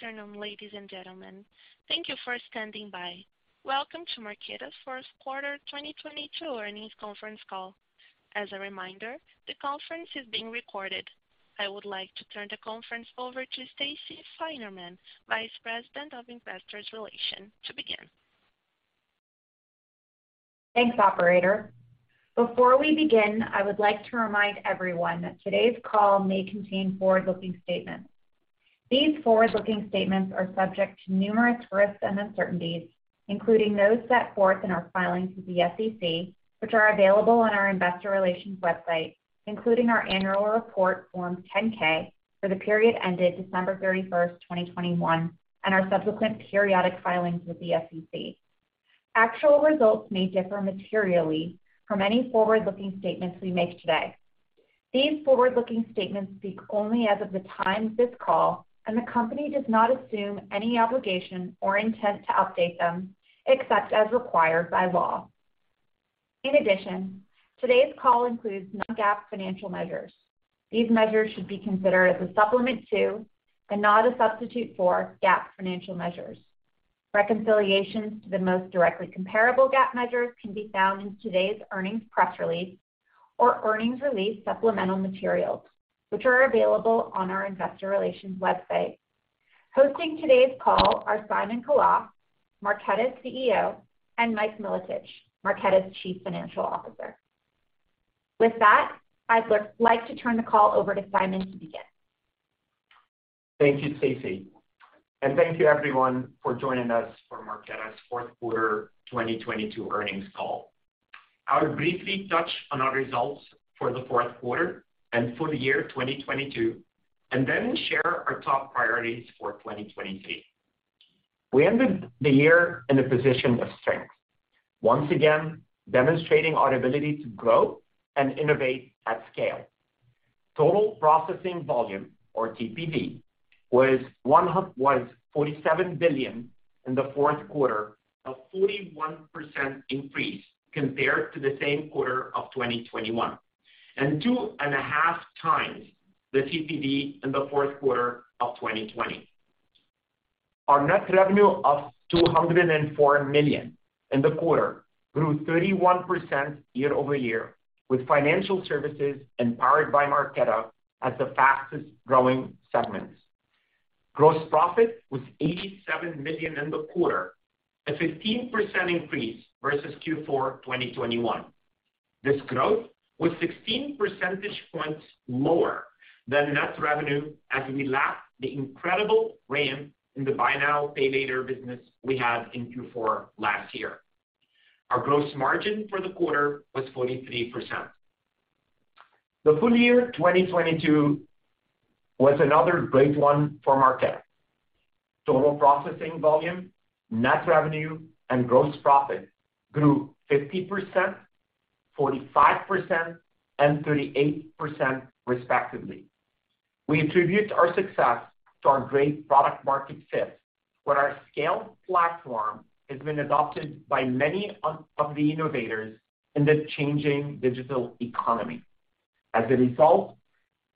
Good afternoon, ladies and gentlemen. Thank you for standing by. Welcome to Marqeta's Q1 2022 earnings conference call. As a reminder, the conference is being recorded. I would like to turn the conference over to Stacey Finerman, Vice President, Investor Relations to begin. Thanks, operator. Before we begin, I would like to remind everyone that today's call may contain forward-looking statements. These forward-looking statements are subject to numerous risks and uncertainties, including those set forth in our filings with the SEC, which are available on our investor relations website, including our annual report, Form 10-K for the period ended December 31st, 2021, and our subsequent periodic filings with the SEC. Actual results may differ materially from any forward-looking statements we make today. These forward-looking statements speak only as of the time of this call, and the company does not assume any obligation or intent to update them except as required by law. In addition, today's call includes non-GAAP financial measures. These measures should be considered as a supplement to, and not a substitute for, GAAP financial measures. Reconciliations to the most directly comparable GAAP measures can be found in today's earnings press release or earnings release supplemental materials, which are available on our investor relations website. Hosting today's call are Simon Khalaf, Marqeta's CEO, and Mike Milotich, Marqeta's Chief Financial Officer. With that, I'd like to turn the call over to Simon to begin. Thank you, Stacey, and thank you everyone for joining us for Marqeta's Q4 2022 earnings call. I'll briefly touch on our results for the Q4 and for the year 2022, and then share our top priorities for 2023. We ended the year in a position of strength, once again demonstrating our ability to grow and innovate at scale. Total processing volume or TPV was 47 billion in the Q4, a 41% increase compared to the same quarter of 2021, and 2.5 times the TPV in the Q4 of 2020. Our net revenue of $204 million in the quarter grew 31% year-over-year, with financial services Powered by Marqeta as the fastest-growing segments. Gross profit was $87 million in the quarter, a 15% increase versus Q4 2021. This growth was 16 percentage points lower than net revenue as we lapped the incredible ramp in the buy now, pay later business we had in Q4 last year. Our gross margin for the quarter was 43%. The full year 2022 was another great one for Marqeta. Total processing volume, net revenue, and gross profit grew 50%, 45%, and 38% respectively. We attribute our success to our great product market fit, where our scale platform has been adopted by many of the innovators in the changing digital economy.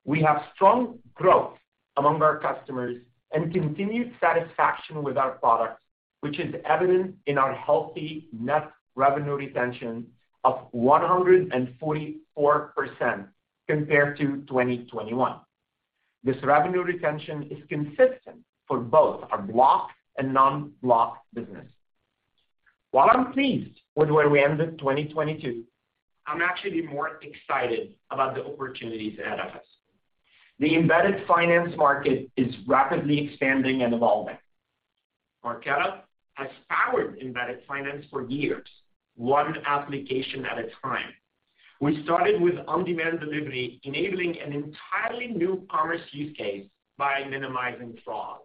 We have strong growth among our customers and continued satisfaction with our products, which is evident in our healthy net revenue retention of 144% compared to 2021. This revenue retention is consistent for both our blocked and non-blocked business. While I'm pleased with where we ended 2022, I'm actually more excited about the opportunities ahead of us. The embedded finance market is rapidly expanding and evolving. Marqeta has powered embedded finance for years, one application at a time. We started with on-demand delivery, enabling an entirely new commerce use case by minimizing fraud.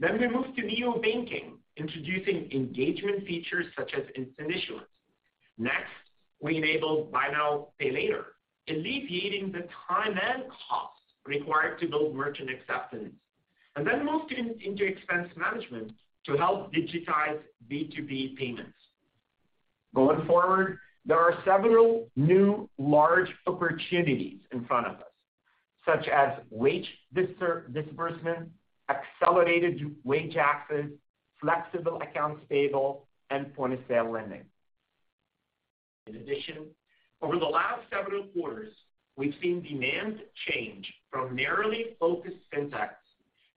We moved to neobanking, introducing engagement features such as instant issuance. We enabled buy now, pay later, alleviating the time and cost required to build merchant acceptance. We moved into expense management to help digitize B2B payments. Going forward, there are several new large opportunities in front of us, such as wage disbursement, accelerated wage access, flexible accounts payable, and point-of-sale lending. In addition, over the last several quarters, we've seen demand change from narrowly focused fintechs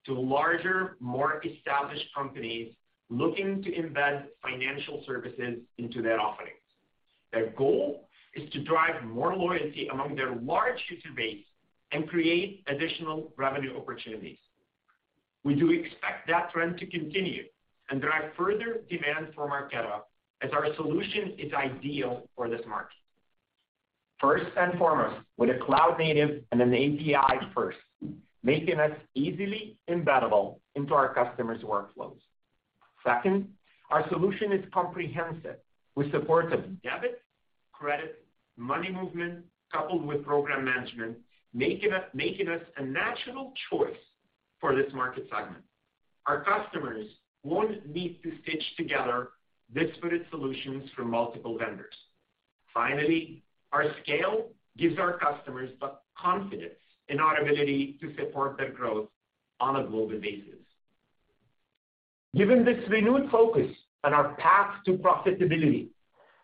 to larger, more established companies looking to embed financial services into their offerings. Their goal is to drive more loyalty among their large user base and create additional revenue opportunities. We do expect that trend to continue and drive further demand for Marqeta as our solution is ideal for this market. First and foremost, we're a cloud native and an API first, making us easily embeddable into our customers' workflows. Second, our solution is comprehensive. We support debit, credit, money movement coupled with program management, making us a natural choice for this market segment. Our customers won't need to stitch together disparate solutions from multiple vendors. Finally, our scale gives our customers the confidence in our ability to support their growth on a global basis. Given this renewed focus on our path to profitability,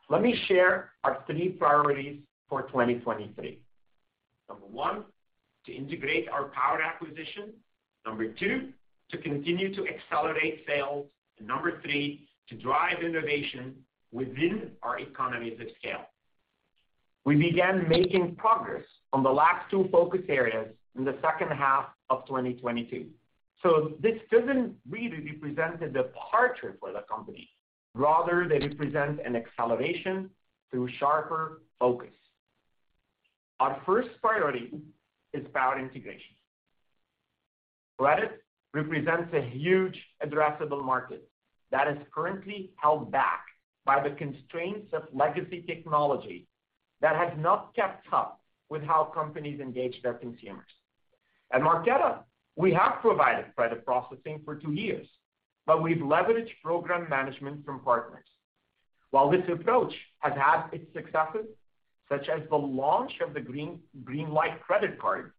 let me share our three priorities for 2023. Number one, to integrate our Power acquisition. Number two, to continue to accelerate sales. Number three, to drive innovation within our economies of scale. We began making progress on the last two focus areas in the second half of 2022. This doesn't really represent a departure for the company. Rather, they represent an acceleration through sharper focus. Our first priority is Power integration. Credit represents a huge addressable market that is currently held back by the constraints of legacy technology that has not kept up with how companies engage their consumers. At Marqeta, we have provided credit processing for two years, but we've leveraged program management from partners. While this approach has had its successes, such as the launch of the Greenlight credit card,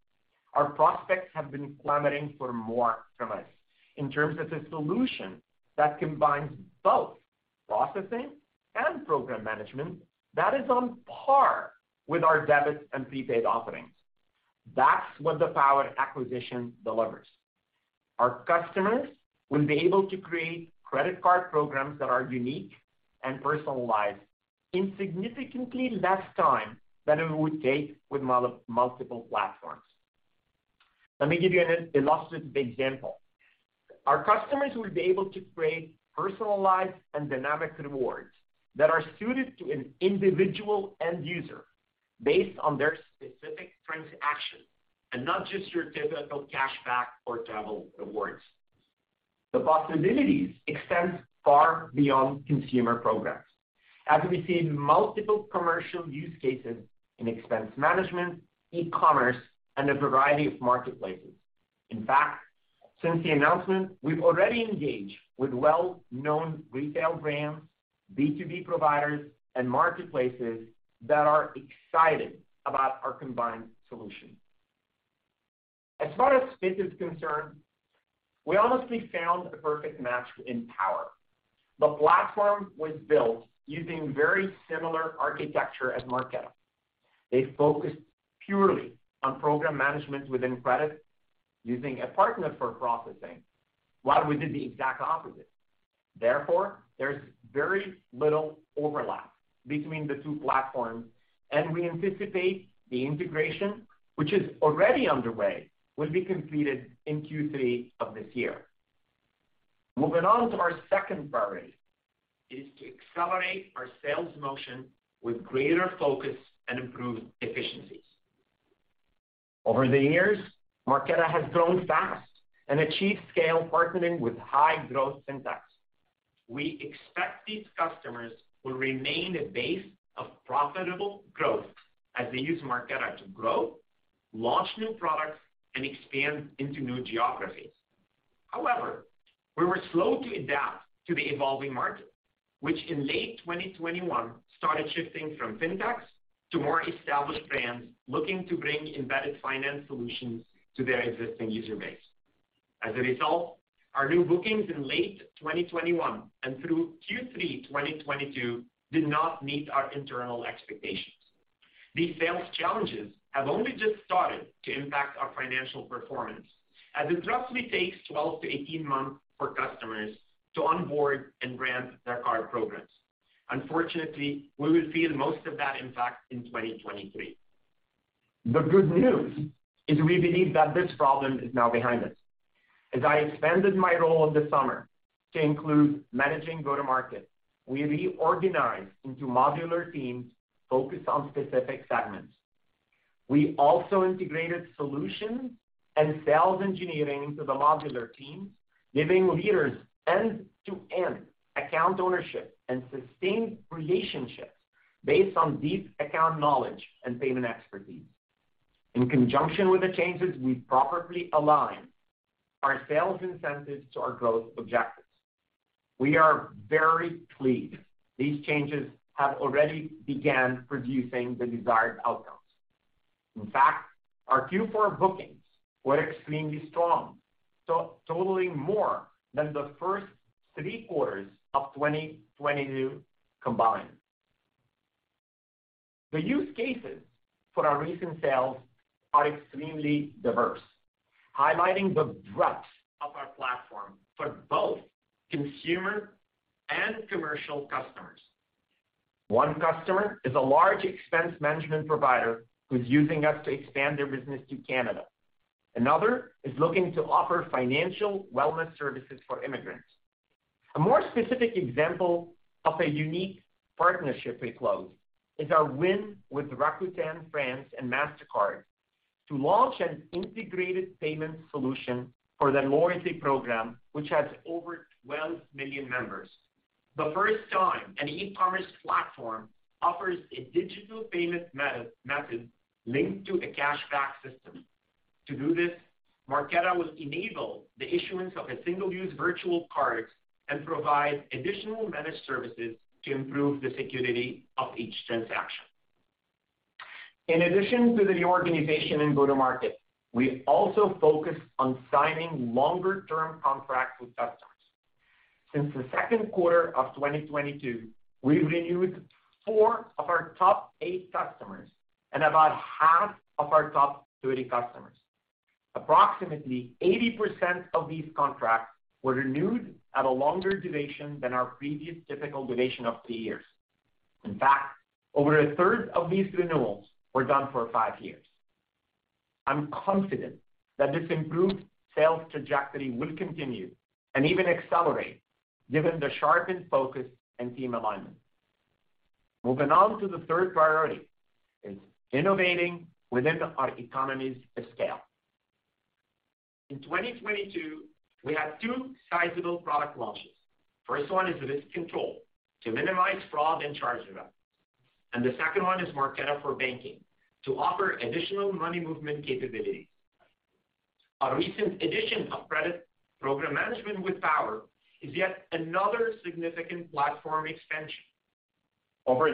our prospects have been clamoring for more from us in terms of the solution that combines both processing and program management that is on par with our debit and prepaid offerings. That's what the Power acquisition delivers. Our customers will be able to create credit card programs that are unique and personalized in significantly less time than it would take with multiple platforms. Let me give you an illustrative example. Our customers will be able to create personalized and dynamic rewards that are suited to an individual end user based on their specific transaction, and not just your typical cash back or travel rewards. The possibilities extend far beyond consumer programs, as we see multiple commercial use cases in expense management, e-commerce, and a variety of marketplaces. In fact, since the announcement, we've already engaged with well-known retail brands, B2B providers, and marketplaces that are excited about our combined solution. As far as fit is concerned, we honestly found the perfect match in Power. The platform was built using very similar architecture as Marqeta. They focused purely on program management within credit using a partner for processing, while we did the exact opposite. There's very little overlap between the two platforms, and we anticipate the integration, which is already underway, will be completed in Q3 of this year. Moving on to our second priority is to accelerate our sales motion with greater focus and improved efficiencies. Over the years, Marqeta has grown fast and achieved scale partnering with high-growth fintechs. We expect these customers will remain a base of profitable growth as they use Marqeta to grow, launch new products, and expand into new geographies. We were slow to adapt to the evolving market, which in late 2021 started shifting from fintechs to more established brands looking to bring embedded finance solutions to their existing user base. As a result, our new bookings in late 2021 and through Q3 2022 did not meet our internal expectations. These sales challenges have only just started to impact our financial performance, as it roughly takes 12 months-18 months for customers to onboard and brand their card programs. Unfortunately, we will feel most of that impact in 2023. The good news is we believe that this problem is now behind us. As I expanded my role this summer to include managing go-to-market, we reorganized into modular teams focused on specific segments. We also integrated solutions and sales engineering into the modular teams, giving leaders end-to-end account ownership and sustained relationships based on deep account knowledge and payment expertise. In conjunction with the changes, we properly aligned our sales incentives to our growth objectives. We are very pleased these changes have already began producing the desired outcomes. In fact, our Q4 bookings were extremely strong, totaling more than the first three quarters of 2022 combined. The use cases for our recent sales are extremely diverse, highlighting the breadth of our platform for both consumer and commercial customers. One customer is a large expense management provider who's using us to expand their business to Canada. Another is looking to offer financial wellness services for immigrants. A more specific example of a unique partnership we closed is our win with Rakuten France and Mastercard to launch an integrated payment solution for their loyalty program, which has over 12 million members. The first time an e-commerce platform offers a digital payment method linked to a cash-back system. To do this, Marqeta will enable the issuance of a single-use virtual card and provide additional managed services to improve the security of each transaction. In addition to the reorganization in go-to-market, we also focused on signing longer term contracts with customers. Since the Q2 of 2022, we've renewed four of our top eight customers and about half of our top 30 customers. Approximately 80% of these contracts were renewed at a longer duration than our previous typical duration of two years. In fact, over a third of these renewals were done for five years. I'm confident that this improved sales trajectory will continue and even accelerate given the sharpened focus and team alignment. Moving on to the third priority is innovating within our economies of scale. In 2022, we had two sizable product launches. First one is RiskControl to minimize fraud and chargebacks, and the second one is Marqeta for Banking to offer additional money movement capabilities. Our recent addition of credit program management with Power is yet another significant platform extension. Over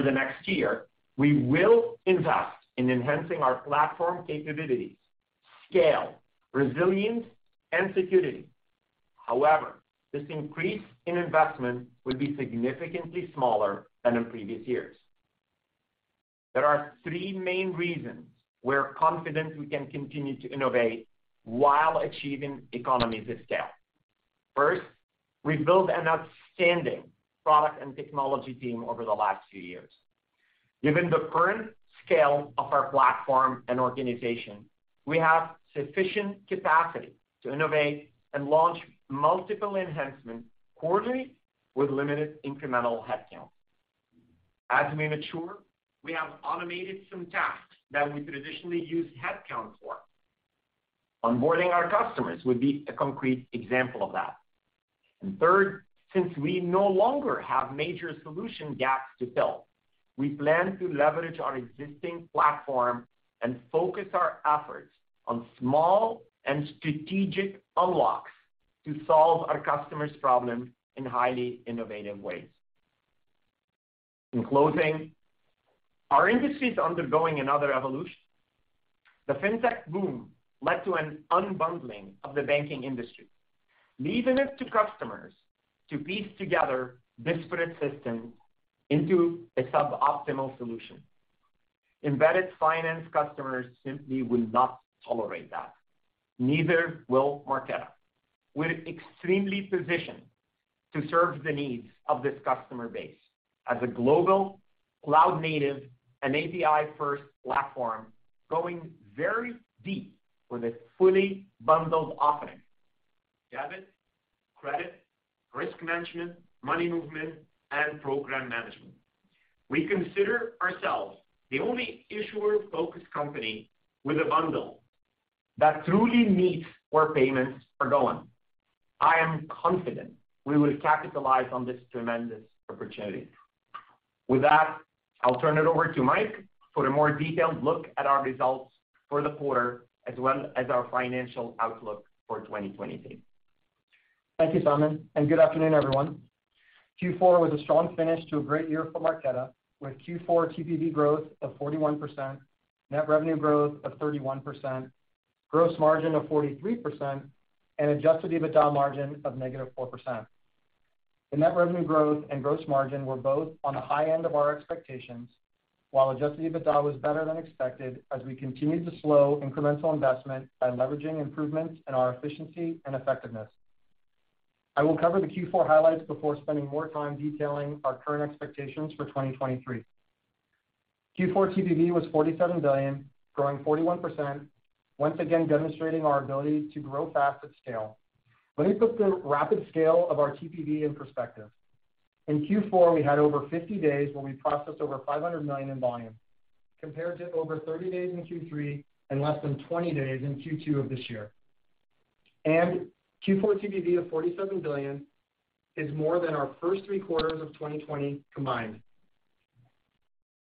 the next year, we will invest in enhancing our platform capabilities, scale, resilience and security. This increase in investment will be significantly smaller than in previous years. There are three main reasons we're confident we can continue to innovate while achieving economies of scale. We built an outstanding product and technology team over the last few years. Given the current scale of our platform and organization, we have sufficient capacity to innovate and launch multiple enhancements quarterly with limited incremental headcount. As we mature, we have automated some tasks that we traditionally used headcount for. Onboarding our customers would be a concrete example of that. Third, since we no longer have major solution gaps to fill, we plan to leverage our existing platform and focus our efforts on small and strategic unlocks to solve our customers' problems in highly innovative ways. In closing, our industry is undergoing another evolution. The Fintech boom led to an unbundling of the banking industry, leaving it to customers to piece together disparate systems into a suboptimal solution. Embedded finance customers simply will not tolerate that. Neither will Marqeta. We're extremely positioned to serve the needs of this customer base as a global cloud native and API-first platform, going very deep with a fully bundled offering, debit, credit, risk management, money movement, and program management. We consider ourselves the only issuer-focused company with a bundle that truly meets where payments are going. I am confident we will capitalize on this tremendous opportunity. With that, I'll turn it over to Mike for a more detailed look at our results for the quarter as well as our financial outlook for 2023. Thank you, Simon. Good afternoon, everyone. Q4 was a strong finish to a great year for Marqeta, with Q4 TPV growth of 41%, net revenue growth of 31%, gross margin of 43% and adjusted EBITDA margin of -4%. The net revenue growth and gross margin were both on the high end of our expectations, while adjusted EBITDA was better than expected as we continued to slow incremental investment by leveraging improvements in our efficiency and effectiveness. I will cover the Q4 highlights before spending more time detailing our current expectations for 2023. Q4 TPV was $47 billion, growing 41%, once again demonstrating our ability to grow fast at scale. Let me put the rapid scale of our TPV in perspective. In Q4, we had over 50 days where we processed over $500 million in volume, compared to over 30 days in Q3 and less than 20 days in Q2 of this year. Q4 TPV of $47 billion is more than our first three quarters of 2020 combined.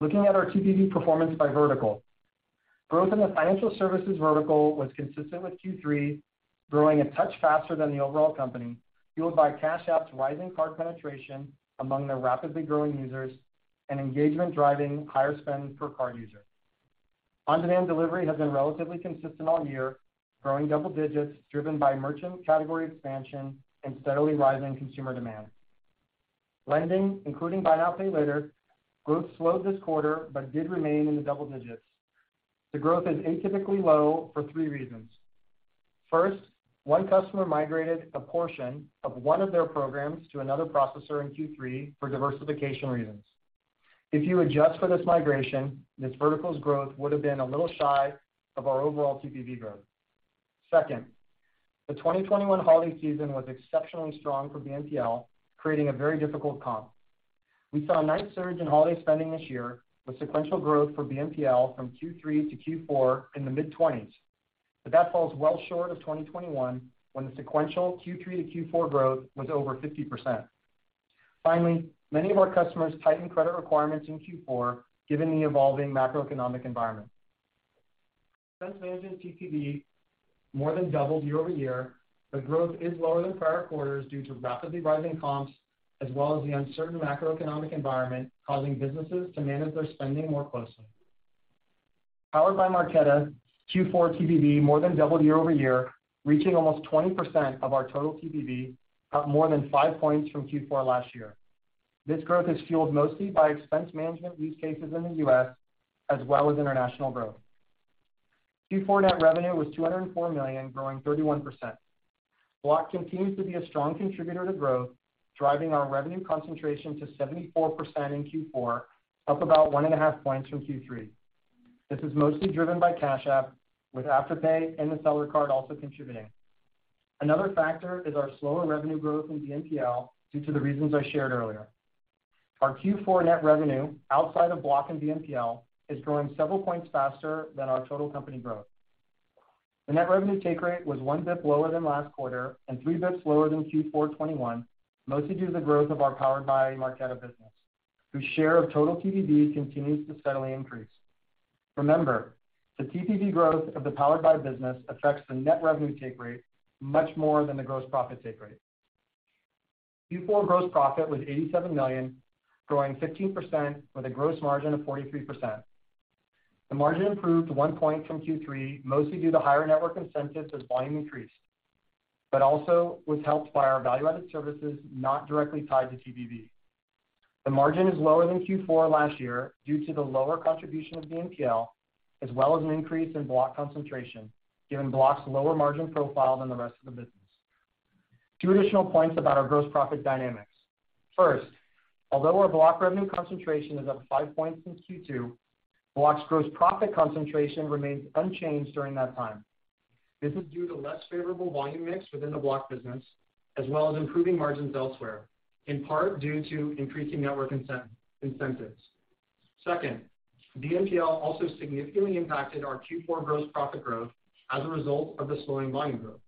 Looking at our TPV performance by vertical. Growth in the financial services vertical was consistent with Q3, growing a touch faster than the overall company, fueled by Cash App's rising card penetration among their rapidly growing users and engagement driving higher spend per card user. On-demand delivery has been relatively consistent all year, growing double digits, driven by merchant category expansion and steadily rising consumer demand. Lending, including buy now, pay later, growth slowed this quarter, but did remain in the double digits. The growth is atypically low for three reasons. First, one customer migrated a portion of one of their programs to another processor in Q3 for diversification reasons. If you adjust for this migration, this vertical's growth would have been a little shy of our overall TPV growth. Second, the 2021 holiday season was exceptionally strong for BNPL, creating a very difficult comp. We saw a nice surge in holiday spending this year, with sequential growth for BNPL from Q3-Q4 in the mid-20s. That falls well short of 2021, when the sequential Q3-Q4 growth was over 50%. Finally, many of our customers tightened credit requirements in Q4 given the evolving macroeconomic environment. Expense management TPV more than doubled year-over-year, but growth is lower than prior quarters due to rapidly rising comps as well as the uncertain macroeconomic environment causing businesses to manage their spending more closely. Powered by Marqeta, Q4 TPV more than doubled year-over-year, reaching almost 20% of our total TPV, up more than 5 points from Q4 last year. This growth is fueled mostly by expense management use cases in the U.S. as well as international growth. Q4 net revenue was $204 million, growing 31%. Block continues to be a strong contributor to growth, driving our revenue concentration to 74% in Q4, up about 1.5 points from Q3. This is mostly driven by Cash App, with Afterpay and the Seller Card also contributing. Another factor is our slower revenue growth in BNPL due to the reasons I shared earlier. Our Q4 net revenue outside of Block and BNPL is growing several points faster than our total company growth. The net revenue take rate was 1 basis point lower than last quarter and 3 basis points lower than Q4 2021, mostly due to the growth of our Powered by Marqeta business, whose share of total TPV continues to steadily increase. Remember, the TPV growth of the Powered by business affects the net revenue take rate much more than the gross profit take rate. Q4 gross profit was $87 million, growing 15% with a gross margin of 43%. The margin improved 1 point from Q3, mostly due to higher network incentives as volume increased, but also was helped by our value-added services not directly tied to TPV. The margin is lower than Q4 last year due to the lower contribution of BNPL, as well as an increase in Block concentration, given Block's lower margin profile than the rest of the business. Two additional points about our gross profit dynamics. Although our Block revenue concentration is up 5 points in Q2, Block's gross profit concentration remains unchanged during that time. This is due to less favorable volume mix within the Block business, as well as improving margins elsewhere, in part due to increasing network incentives. BNPL also significantly impacted our Q4 gross profit growth as a result of the slowing volume growth.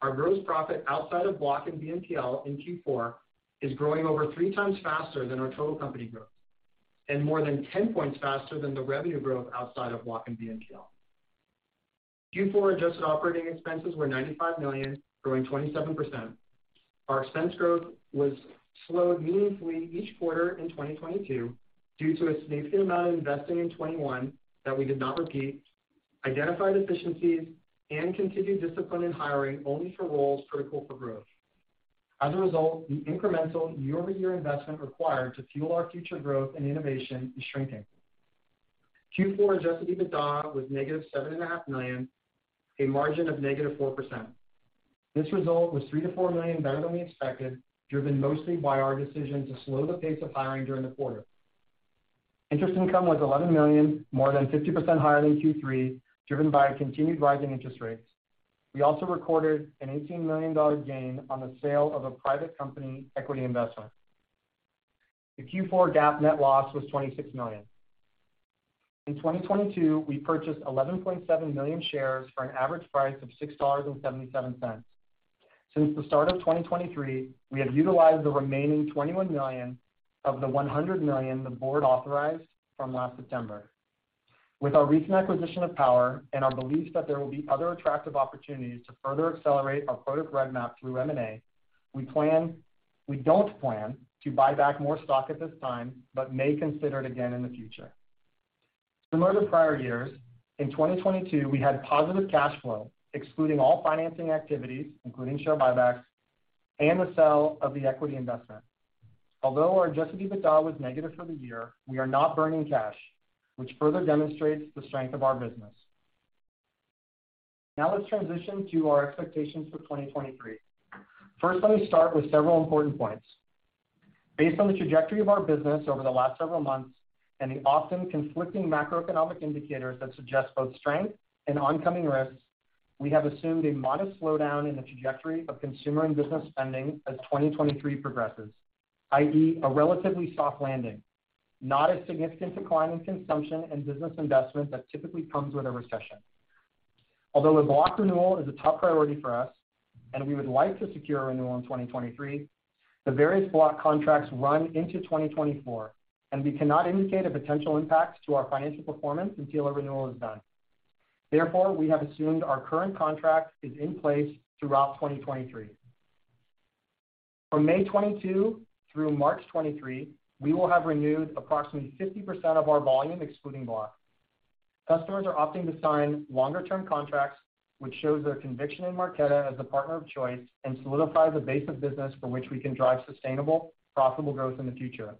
Our gross profit outside of Block and BNPL in Q4 is growing over three times faster than our total company growth and more than 10 points faster than the revenue growth outside of Block and BNPL. Q4 adjusted operating expenses were $95 million, growing 27%. Our expense growth was slowed meaningfully each quarter in 2022 due to a significant amount of investing in 2021 that we did not repeat, identified efficiencies, and continued discipline in hiring only for roles critical for growth. As a result, the incremental year-over-year investment required to fuel our future growth and innovation is shrinking. Q4 adjusted EBITDA was negative seven and a half million, a margin of -4%. This result was $3 million-$4 million better than we expected, driven mostly by our decision to slow the pace of hiring during the quarter. Interest income was $11 million, more than 50% higher than Q3, driven by continued rising interest rates. We also recorded an $18 million gain on the sale of a private company equity investment. The Q4 GAAP net loss was $26 million. In 2022, we purchased 11.7 million shares for an average price of $6.77. Since the start of 2023, we have utilized the remaining $21 million of the $100 million the board authorized from last September. With our recent acquisition of Power and our belief that there will be other attractive opportunities to further accelerate our product roadmap through M&A, we don't plan to buy back more stock at this time, but may consider it again in the future. Similar to prior years, in 2022, we had positive cash flow, excluding all financing activities, including share buybacks and the sale of the equity investment. Although our adjusted EBITDA was negative for the year, we are not burning cash, which further demonstrates the strength of our business. Let's transition to our expectations for 2023. Let me start with several important points. Based on the trajectory of our business over the last several months and the often conflicting macroeconomic indicators that suggest both strength and oncoming risks, we have assumed a modest slowdown in the trajectory of consumer and business spending as 2023 progresses, i.e., a relatively soft landing, not a significant decline in consumption and business investment that typically comes with a recession. Although a Block renewal is a top priority for us, and we would like to secure a renewal in 2023, the various Block contracts run into 2024, and we cannot indicate a potential impact to our financial performance until a renewal is done. Therefore, we have assumed our current contract is in place throughout 2023. From May 2022 through March 2023, we will have renewed approximately 50% of our volume, excluding Block. Customers are opting to sign longer-term contracts, which shows their conviction in Marqeta as a partner of choice and solidifies a base of business from which we can drive sustainable, profitable growth in the future.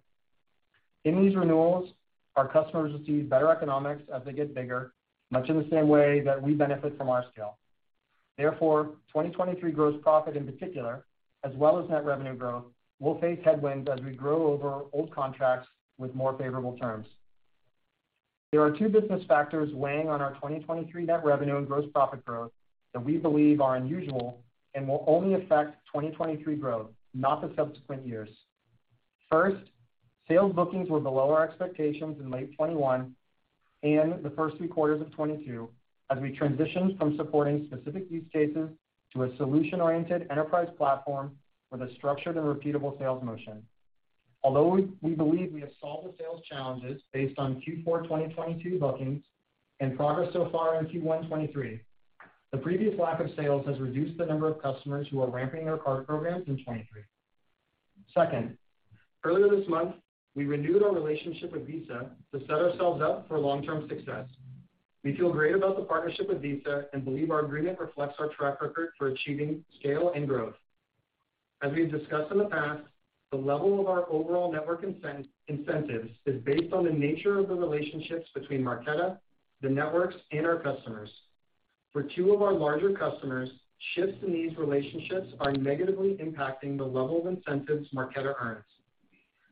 In these renewals, our customers receive better economics as they get bigger, much in the same way that we benefit from our scale. 2023 gross profit in particular, as well as net revenue growth, will face headwinds as we grow over old contracts with more favorable terms. There are two business factors weighing on our 2023 net revenue and gross profit growth that we believe are unusual and will only affect 2023 growth, not the subsequent years. First, sales bookings were below our expectations in late 2021 and the first three quarters of 2022 as we transitioned from supporting specific use cases to a solution-oriented enterprise platform with a structured and repeatable sales motion. Although we believe we have solved the sales challenges based on Q4 2022 bookings and progress so far in Q1 2023, the previous lack of sales has reduced the number of customers who are ramping their card programs in 2023. Second, earlier this month, we renewed our relationship with Visa to set ourselves up for long-term success. We feel great about the partnership with Visa and believe our agreement reflects our track record for achieving scale and growth. As we've discussed in the past, the level of our overall network incentives is based on the nature of the relationships between Marqeta, the networks, and our customers. For two of our larger customers, shifts in these relationships are negatively impacting the level of incentives Marqeta earns.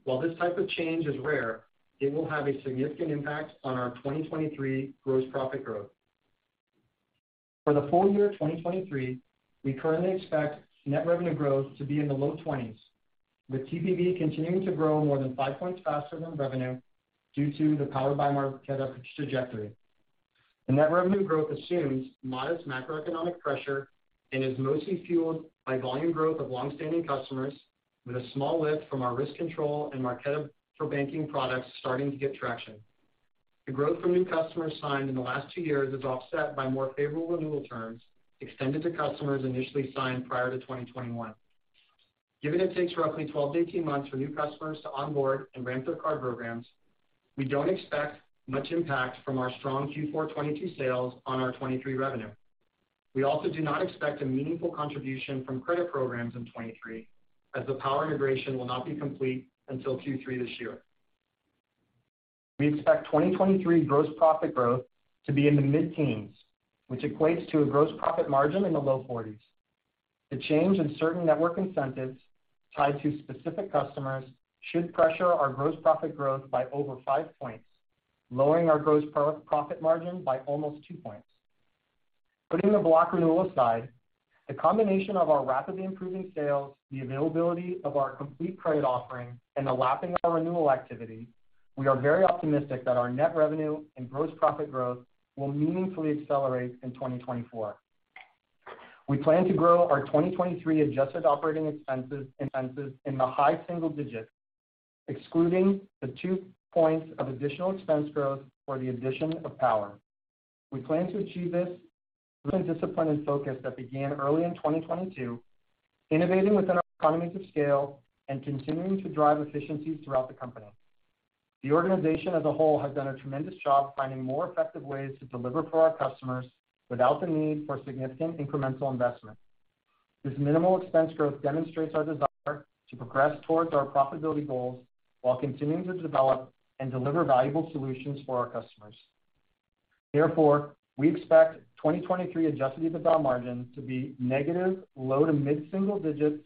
While this type of change is rare, it will have a significant impact on our 2023 gross profit growth. For the full year 2023, we currently expect net revenue growth to be in the low 20s, with TPV continuing to grow more than five points faster than revenue due to the Powered by Marqeta trajectory. The net revenue growth assumes modest macroeconomic pressure and is mostly fueled by volume growth of long-standing customers with a small lift from our RiskControl and Marqeta for Banking products starting to get traction. The growth from new customers signed in the last two years is offset by more favorable renewal terms extended to customers initially signed prior to 2021. Given it takes roughly 12 months-18 months for new customers to onboard and ramp their card programs, we don't expect much impact from our strong Q4 2022 sales on our 2023 revenue. We also do not expect a meaningful contribution from credit programs in 2023, as the Power integration will not be complete until Q3 this year. We expect 2023 gross profit growth to be in the mid-teens, which equates to a gross profit margin in the low forties. The change in certain network incentives tied to specific customers should pressure our gross profit growth by over 5 points, lowering our gross profit margin by almost 2 points. Putting the Block renewal aside, the combination of our rapidly improving sales, the availability of our complete credit offering, and the lapping of our renewal activity, we are very optimistic that our net revenue and gross profit growth will meaningfully accelerate in 2024. We plan to grow our 2023 adjusted operating expenses in the high single digits, excluding the 2 points of additional expense growth for the addition of Power. We plan to achieve this with a disciplined and focus that began early in 2022, innovating within our economies of scale, and continuing to drive efficiencies throughout the company. The organization as a whole has done a tremendous job finding more effective ways to deliver for our customers without the need for significant incremental investment. This minimal expense growth demonstrates our desire to progress towards our profitability goals while continuing to develop and deliver valuable solutions for our customers. Therefore, we expect 2023 adjusted EBITDA margin to be negative low to mid-single digits,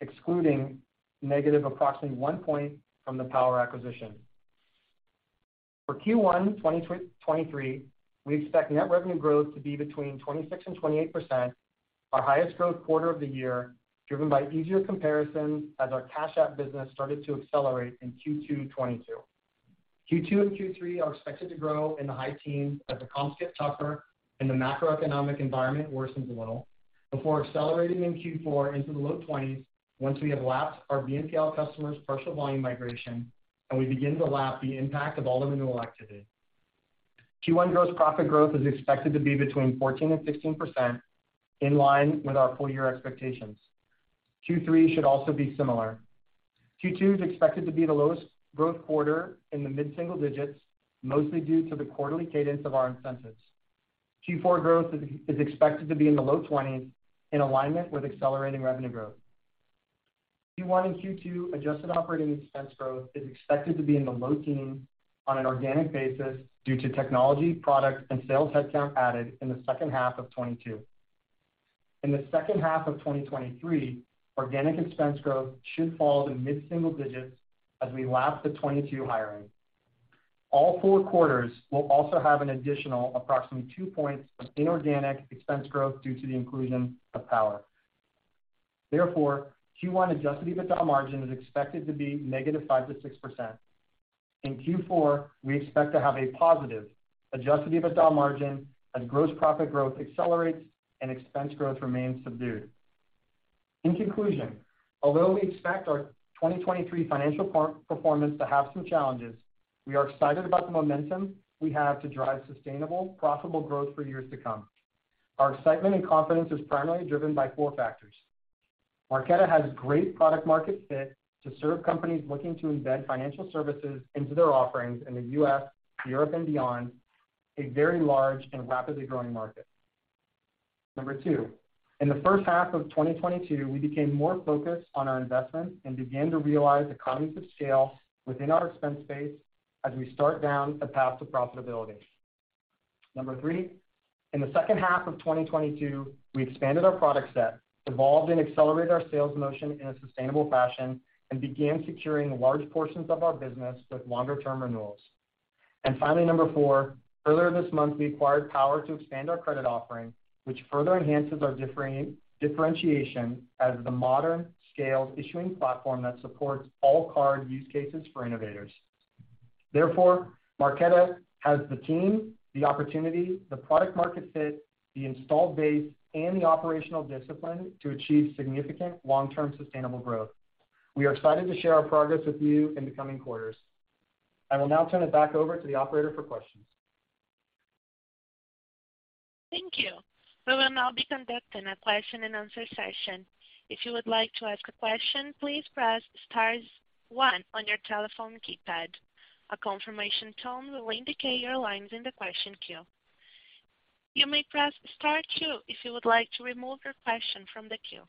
excluding negative approximately 1 percentage point from the Power acquisition. For Q1 2023, we expect net revenue growth to be between 26%-28%, our highest growth quarter of the year, driven by easier comparisons as our Cash App business started to accelerate in Q2 2022. Q2 and Q3 are expected to grow in the high teens as the comps get tougher and the macroeconomic environment worsens a little before accelerating in Q4 into the low 20s once we have lapped our BNPL customers' partial volume migration and we begin to lap the impact of all the renewal activity. Q1 gross profit growth is expected to be between 14% and 16% in line with our full year expectations. Q3 should also be similar. Q2 is expected to be the lowest growth quarter in the mid-single digits, mostly due to the quarterly cadence of our incentives. Q4 growth is expected to be in the low twenties in alignment with accelerating revenue growth. Q1 and Q2 adjusted operating expense growth is expected to be in the low teens on an organic basis due to technology, product, and sales headcount added in the second half of 2022. In the second half of 2023, organic expense growth should fall to mid-single digits as we lap the 2022 hiring. All four quarters will also have an additional approximately two points of inorganic expense growth due to the inclusion of Power. Q1 adjusted EBITDA margin is expected to be negative 5%-6%. In Q4, we expect to have a positive adjusted EBITDA margin as gross profit growth accelerates and expense growth remains subdued. In conclusion, although we expect our 2023 financial performance to have some challenges, we are excited about the momentum we have to drive sustainable, profitable growth for years to come. Our excitement and confidence is primarily driven by four factors. Marqeta has great product market fit to serve companies looking to embed financial services into their offerings in the U.S., Europe, and beyond, a very large and rapidly growing market. Number two, in the first half of 2022, we became more focused on our investment and began to realize economies of scale within our expense base as we start down the path to profitability. Number three, in the second half of 2022, we expanded our product set, evolved and accelerated our sales motion in a sustainable fashion, began securing large portions of our business with longer-term renewals. Finally, number four earlier this month, we acquired Power to expand our credit offering, which further enhances our differentiation as the modern scaled issuing platform that supports all card use cases for innovators. Therefore, Marqeta has the team, the opportunity, the product market fit, the installed base, and the operational discipline to achieve significant long-term sustainable growth. We are excited to share our progress with you in the coming quarters. I will now turn it back over to the operator for questions. Thank you. We will now be conducting a question-and-answer session. If you would like to ask a question, please press star one on your telephone keypad. A confirmation tone will indicate your line is in the question queue. You may press star two if you would like to remove your question from the queue.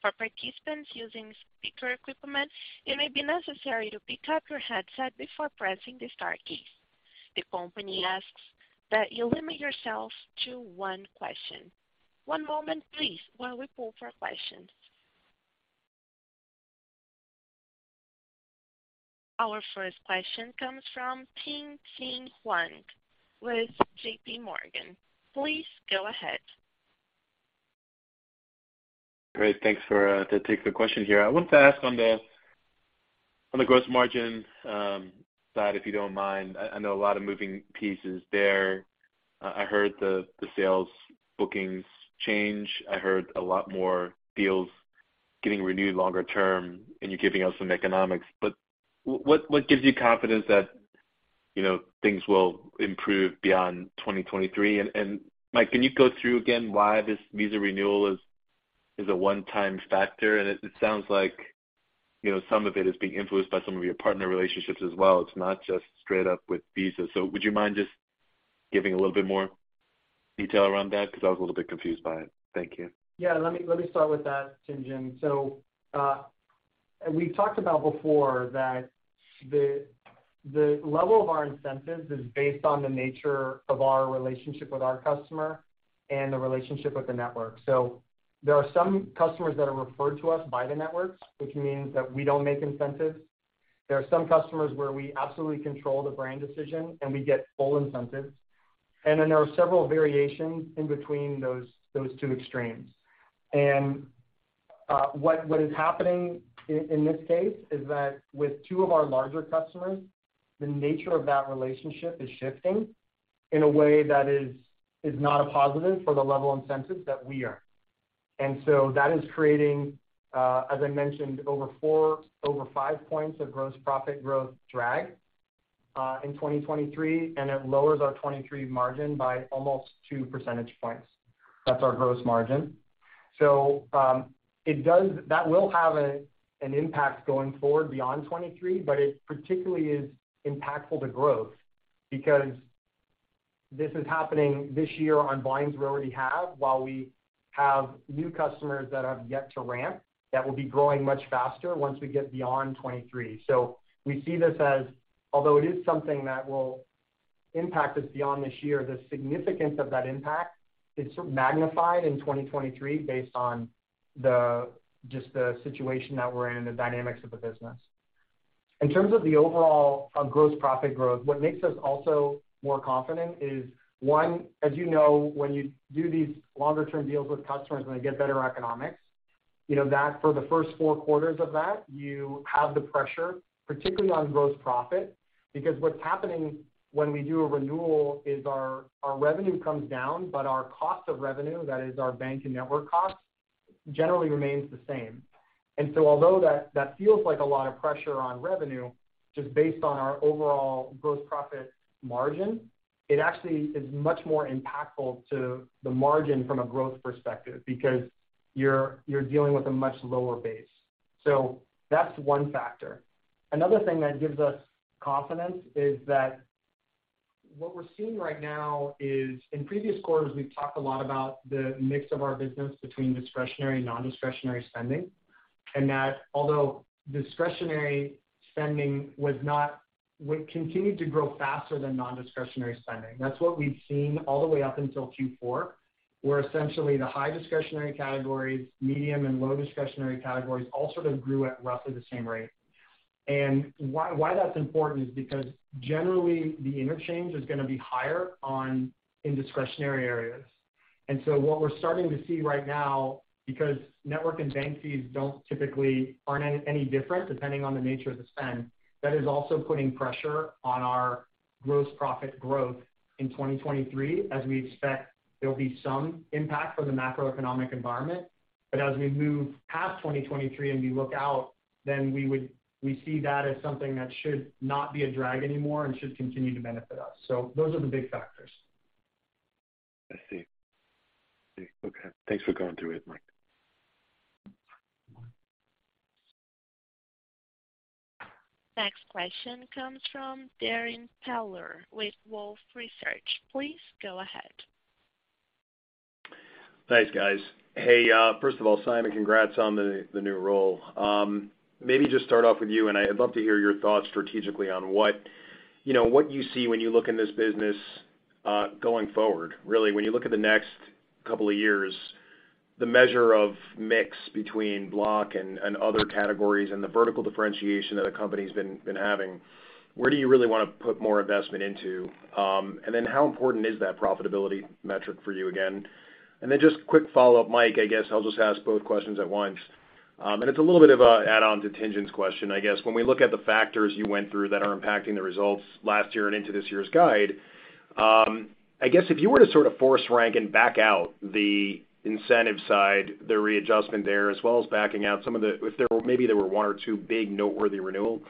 For participants using speaker equipment, it may be necessary to pick up your headset before pressing the star keys. The company asks that you limit yourself to one question. One moment, please, while we poll for questions. Our first question comes from Tien-Tsin Huang with JPMorgan. Please go ahead. Great. Thanks for to take the question here. I want to ask on the gross margin side, if you don't mind. I know a lot of moving pieces there. I heard the sales bookings change. I heard a lot more deals getting renewed longer term, and you're giving us some economics. What gives you confidence that, you know, things will improve beyond 2023? Mike, can you go through again why this Visa renewal is a one-time factor? It sounds like, you know, some of it is being influenced by some of your partner relationships as well. It's not just straight up with Visa. Would you mind just giving a little bit more detail around that? Because I was a little bit confused by it. Thank you. Yeah, let me start with that, Tien-Tsin. We talked about before that the level of our incentives is based on the nature of our relationship with our customer and the relationship with the network. There are some customers that are referred to us by the networks, which means that we don't make incentives. There are some customers where we absolutely control the brand decision, and we get full incentives. There are several variations in between those two extremes. What is happening in this case is that with two of our larger customers, the nature of that relationship is shifting in a way that is not a positive for the level of incentives that we earn. That is creating, as I mentioned, over 4, over 5 points of gross profit growth drag in 2023, and it lowers our 23 margin by almost 2 percentage points. That's our gross margin. That will have an impact going forward beyond 23, but it particularly is impactful to growth because this is happening this year on volumes we already have while we have new customers that have yet to ramp that will be growing much faster once we get beyond 23. We see this as, although it is something that will impact us beyond this year, the significance of that impact is magnified in 2023 based on the, just the situation that we're in, the dynamics of the business. In terms of the overall gross profit growth, what makes us also more confident is, one, as you know, when you do these longer term deals with customers and they get better economics, you know that for the first four quarters of that, you have the pressure, particularly on gross profit, because what's happening when we do a renewal is our revenue comes down, but our cost of revenue, that is our bank and network costs, generally remains the same. Although that feels like a lot of pressure on revenue, just based on our overall gross profit margin, it actually is much more impactful to the margin from a growth perspective because you're dealing with a much lower base. That's one factor. Another thing that gives us confidence is that what we're seeing right now is in previous quarters, we've talked a lot about the mix of our business between discretionary and non-discretionary spending, and that although discretionary spending would continue to grow faster than non-discretionary spending. That's what we've seen all the way up until Q4, where essentially the high discretionary categories, medium and low discretionary categories all sort of grew at roughly the same rate. Why that's important is because generally, the interchange is gonna be higher on in discretionary areas. What we're starting to see right now, because network and bank fees don't typically earn any different depending on the nature of the spend, that is also putting pressure on our gross profit growth in 2023, as we expect there'll be some impact from the macroeconomic environment. As we move past 2023 and we look out, then we see that as something that should not be a drag anymore and should continue to benefit us. Those are the big factors. I see. I see. Okay. Thanks for going through it, Mike. Next question comes from Darrin Peller with Wolfe Research. Please go ahead. Thanks, guys. Hey, first of all, Simon, congrats on the new role. Maybe just start off with you, and I'd love to hear your thoughts strategically on what, you know, what you see when you look in this business going forward. Really, when you look at the next couple of years. The measure of mix between Block and other categories and the vertical differentiation that a company's been having, where do you really wanna put more investment into? How important is that profitability metric for you again? Just quick follow-up, Mike, I guess I'll just ask both questions at once. It's a little bit of a add-on to Tien-Tsin's question, I guess. When we look at the factors you went through that are impacting the results last year and into this year's guide, I guess if you were to sort of force rank and back out the incentive side, the readjustment there, as well as backing out maybe there were one or two big noteworthy renewal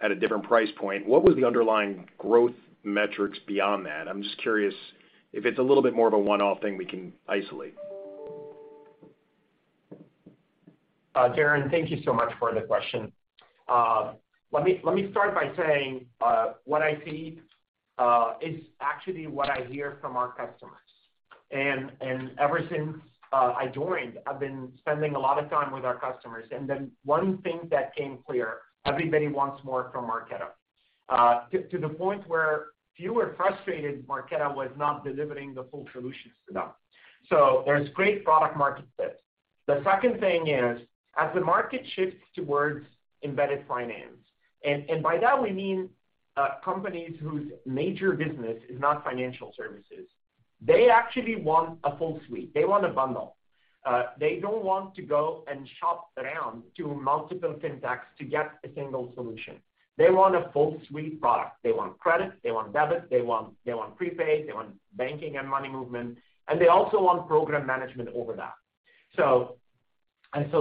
at a different price point, what was the underlying growth metrics beyond that? I'm just curious if it's a little bit more of a one-off thing we can isolate. Darrin, thank you so much for the question. Let me start by saying, what I see is actually what I hear from our customers. Ever since I joined, I've been spending a lot of time with our customers. The one thing that came clear, everybody wants more from Marqeta, to the point where if you were frustrated Marqeta was not delivering the full solutions to them. There's great product market fit. The second thing is, as the market shifts towards embedded finance, and by that we mean companies whose major business is not financial services, they actually want a full suite. They want a bundle. They don't want to go and shop around to multiple fintechs to get a single solution. They want a full suite product. They want credit, they want debit, they want prepaid, they want banking and money movement, and they also want program management over that.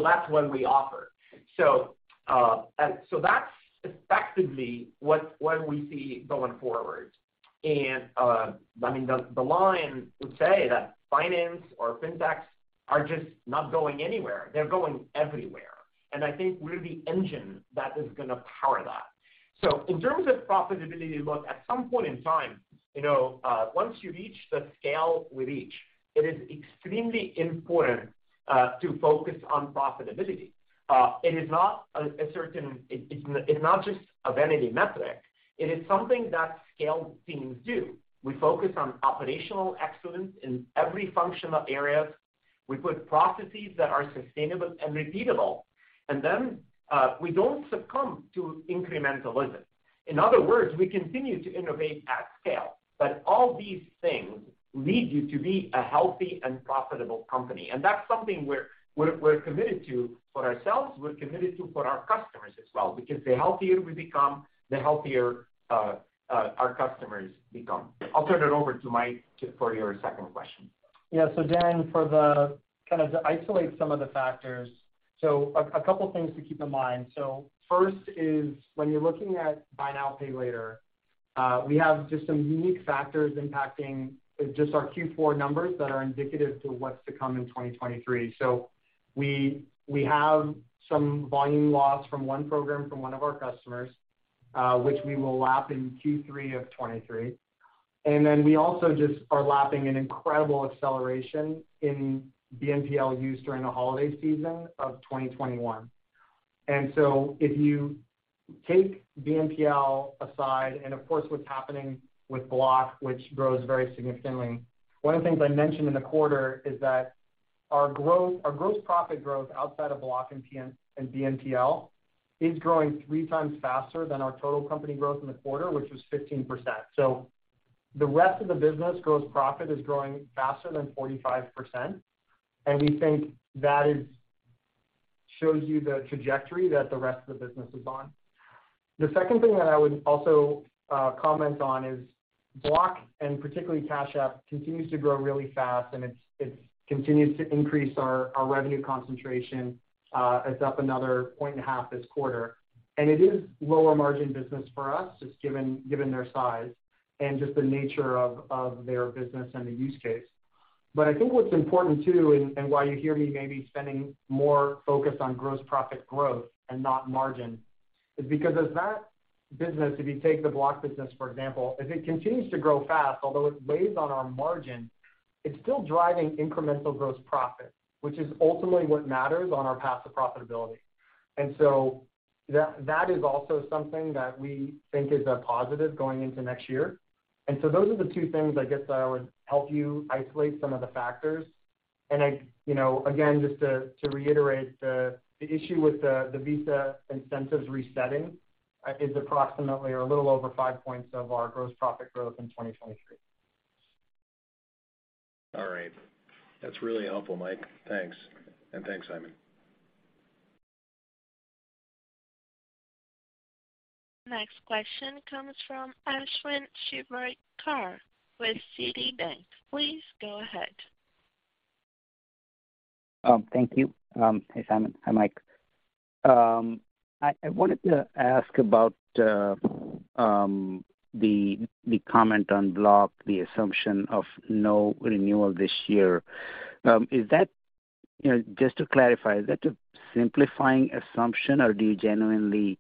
That's what we offer. That's effectively what we see going forward. I mean, the line would say that finance or fintechs are just not going anywhere. They're going everywhere. And I think we're the engine that is gonna power that. In terms of profitability, look, at some point in time, you know, once you reach the scale we reach, it is extremely important to focus on profitability. It's not just a vanity metric. It is something that scaled teams do. We focus on operational excellence in every functional areas. We put processes that are sustainable and repeatable. We don't succumb to incrementalism. In other words, we continue to innovate at scale. All these things lead you to be a healthy and profitable company. That's something we're committed to for ourselves, we're committed to for our customers as well, because the healthier we become, the healthier our customers become. I'll turn it over to Mike for your second question. Yeah. Darrin, for the kind of to isolate some of the factors, so a couple things to keep in mind. First is when you're looking at buy now, pay later, we have just some unique factors impacting just our Q4 numbers that are indicative to what's to come in 2023. We have some volume loss from one program from one of our customers, which we will lap in Q3 of 2023. We also just are lapping an incredible acceleration in BNPL use during the holiday season of 2021. If you take BNPL aside, and of course, what's happening with Block, which grows very significantly, one of the things I mentioned in the quarter is that our gross profit growth outside of Block and BNPL is growing three times faster than our total company growth in the quarter, which was 15%. The rest of the business gross profit is growing faster than 45%, and we think that shows you the trajectory that the rest of the business is on. The second thing that I would also comment on is Block, and particularly Cash App, continues to grow really fast, and it continues to increase our revenue concentration. It's up another 1.5 points this quarter. It is lower margin business for us, just given their size and just the nature of their business and the use case. I think what's important too, and while you hear me maybe spending more focus on gross profit growth and not margin, is because as that business, if you take the Block business, for example, as it continues to grow fast, although it weighs on our margin, it's still driving incremental gross profit, which is ultimately what matters on our path to profitability. That is also something that we think is a positive going into next year. Those are the two things, I guess, that I would help you isolate some of the factors. I, you know, again, just to reiterate, the issue with the Visa incentives resetting is approximately or a little over five points of our gross profit growth in 2023. All right. That's really helpful, Mike. Thanks. Thanks, Simon. Next question comes from Ashwin Shirvaikar with Citibank. Please go ahead. Thank you. Hey, Simon. Hi, Mike. I wanted to ask about the comment on Block, the assumption of no renewal this year. Is that... You know, just to clarify, is that a simplifying assumption or do you genuinely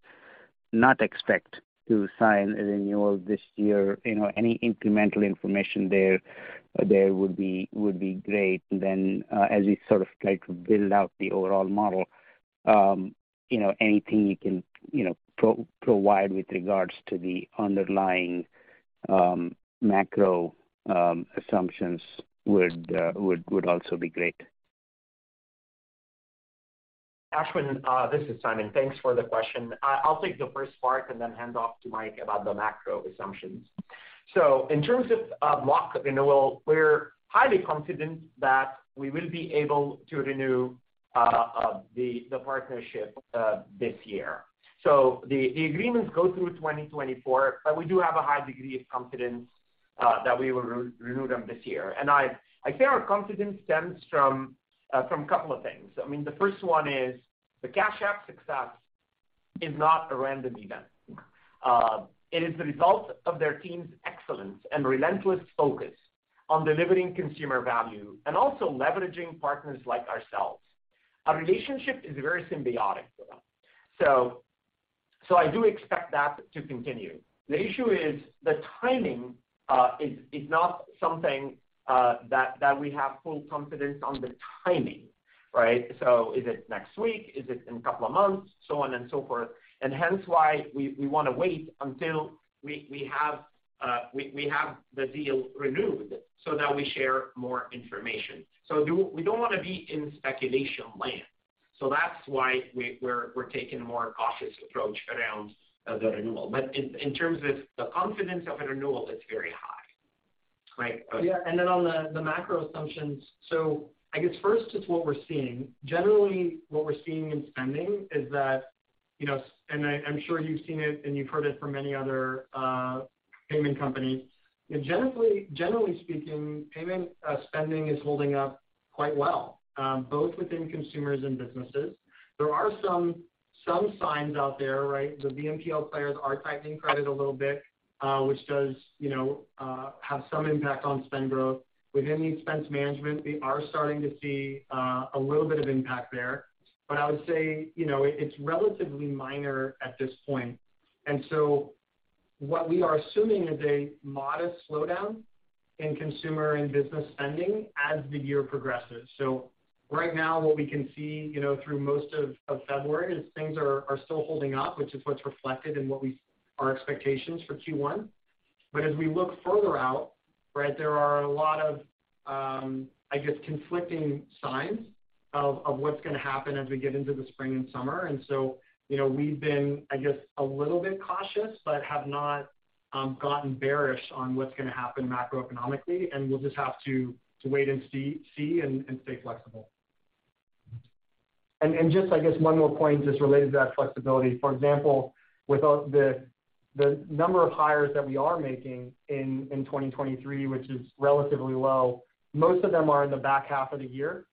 not expect to sign a renewal this year? You know, any incremental information there would be, would be great then, as we sort of like build out the overall model. you know, anything you can, you know, provide with regards to the underlying macro assumptions would also be great. Ashwin, this is Simon. Thanks for the question. I'll take the first part and then hand off to Mike about the macro assumptions. In terms of Block renewal, we're highly confident that we will be able to renew the partnership this year. The agreements go through 2024, but we do have a high degree of confidence that we will re-renew them this year. I say our confidence stems from a couple of things. I mean, the first one is the Cash App success is not a random event. It is the result of their team's excellence and relentless focus on delivering consumer value and also leveraging partners like ourselves. Our relationship is very symbiotic. I do expect that to continue. The issue is the timing, is not something that we have full confidence on the timing, right? Is it next week? Is it in a couple of months, so on and so forth. Hence why we wanna wait until we have the deal renewed so that we share more information. We don't wanna be in speculation land, so that's why we're taking a more cautious approach around the renewal. In terms of the confidence of a renewal, it's very high, right? Yeah. On the macro assumptions. I guess first it's what we're seeing. Generally, what we're seeing in spending is that, you know, and I'm sure you've seen it and you've heard it from many other payment companies. You know, generally speaking, payment spending is holding up quite well, both within consumers and businesses. There are some signs out there, right? The BNPL players are tightening credit a little bit, which does, you know, have some impact on spend growth. Within the expense management, we are starting to see a little bit of impact there. I would say, you know, it's relatively minor at this point. What we are assuming is a modest slowdown in consumer and business spending as the year progresses. Right now, what we can see, you know, through most of February is things are still holding up, which is what's reflected in our expectations for Q1. As we look further out, right, there are a lot of, I guess, conflicting signs of what's gonna happen as we get into the spring and summer. You know, we've been, I guess, a little bit cautious, but have not gotten bearish on what's gonna happen macroeconomically, and we'll just have to wait and see and stay flexible. Just, I guess, one more point just related to that flexibility. With the number of hires that we are making in 2023, which is relatively low, most of them are in the back half of the year,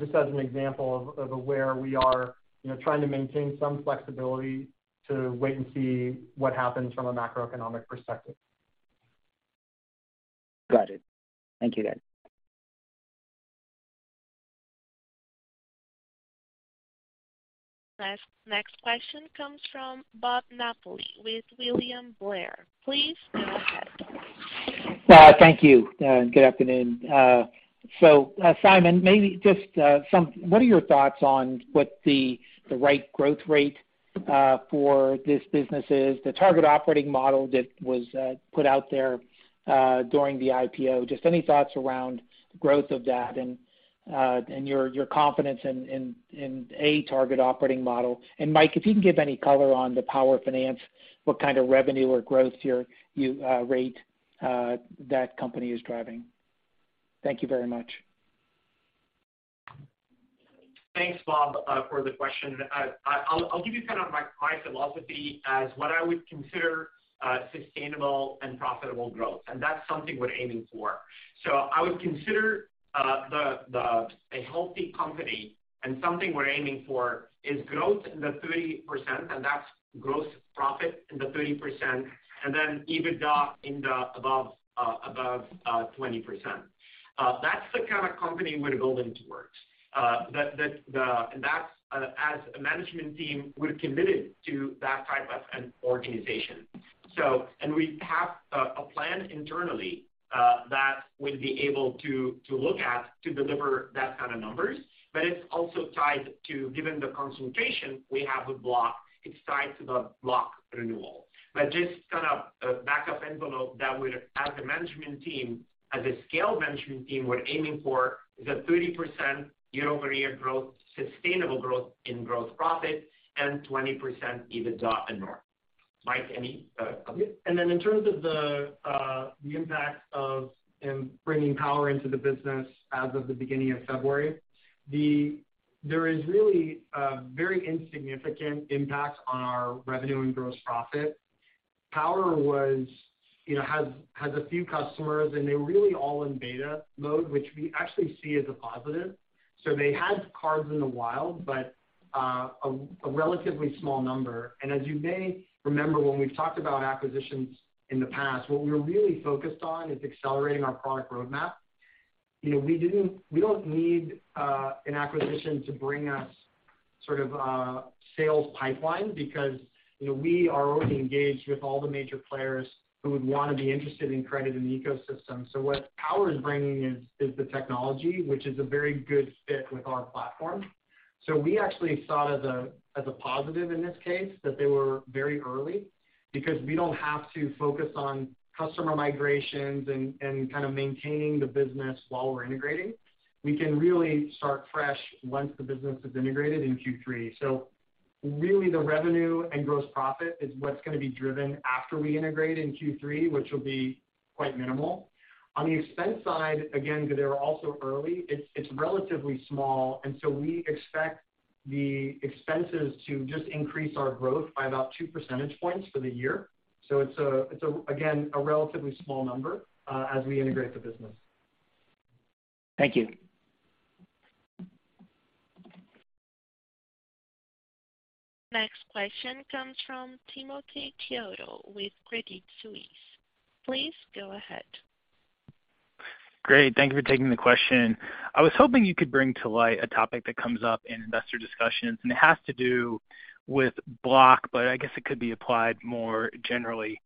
just as an example of where we are, you know, trying to maintain some flexibility to wait and see what happens from a macroeconomic perspective. Got it. Thank you, guys. Next question comes from Robert Napoli with William Blair. Please go ahead. Thank you, good afternoon. Simon, maybe just What are your thoughts on what the right growth rate for this business is? The target operating model that was put out there during the IPO, just any thoughts around growth of that and your confidence in a target operating model. Mike, if you can give any color on the Power Finance, what kind of revenue or growth rate that company is driving. Thank you very much. Thanks, Bob, for the question. I'll give you kind of my philosophy as what I would consider sustainable and profitable growth, and that's something we're aiming for. I would consider a healthy company, and something we're aiming for is growth in the 30%, and that's gross profit in the 30% and then EBITDA in the above 20%. That's the kind of company we're building towards. That's, as a management team, we're committed to that type of an organization. We have a plan internally that we'll be able to look at to deliver that kind of numbers. It's also tied to, given the consultation we have with Block, it's tied to the Block renewal. Just kind of a backup envelope that we're as a management team, as a scale management team, we're aiming for the 30% year-over-year growth, sustainable growth in gross profit and 20% EBITDA and more. Mike, any comments? In terms of the impact of bringing Power into the business as of the beginning of February, there is really a very insignificant impact on our revenue and gross profit. Power was, you know, has a few customers, and they're really all in beta mode, which we actually see as a positive. They had cards in the wild, but a relatively small number. As you may remember, when we've talked about acquisitions in the past, what we're really focused on is accelerating our product roadmap. You know, we don't need an acquisition to bring us sort of sales pipeline because, you know, we are already engaged with all the major players who would wanna be interested in credit in the ecosystem. What Power is bringing is the technology, which is a very good fit with our platform. We actually saw it as a positive in this case that they were very early because we don't have to focus on customer migrations and kind of maintaining the business while we're integrating. We can really start fresh once the business is integrated in Q3. Really the revenue and gross profit is what's gonna be driven after we integrate in Q3, which will be quite minimal. On the expense side, again, 'cause they were also early, it's relatively small we expect the expenses to just increase our growth by about 2 percentage points for the year. It's a, again, a relatively small number as we integrate the business. Thank you. Next question comes from Timothy Chiodo with Credit Suisse. Please go ahead. Great. Thank you for taking the question. I was hoping you could bring to light a topic that comes up in investor discussions, and it has to do with Block, but I guess it could be applied more generally.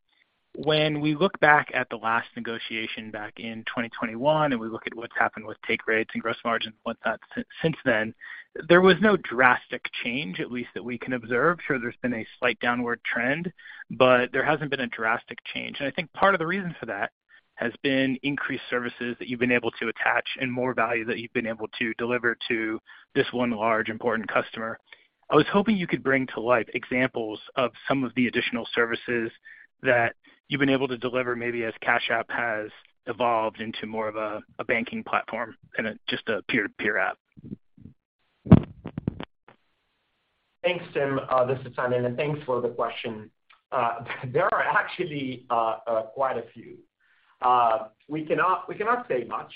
When we look back at the last negotiation back in 2021, and we look at what's happened with take rates and gross margins and whatnot since then, there was no drastic change, at least that we can observe. Sure there's been a slight downward trend, but there hasn't been a drastic change. I think part of the reason for that has been increased services that you've been able to attach and more value that you've been able to deliver to this one large important customer. I was hoping you could bring to light examples of some of the additional services that you've been able to deliver maybe as Cash App has evolved into more of a banking platform than a just a peer-to-peer app. Thanks, Tim. This is Simon, and thanks for the question. There are actually quite a few. We cannot say much